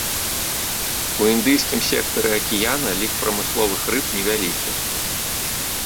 У індыйскім сектары акіяна лік прамысловых рыб невялікі.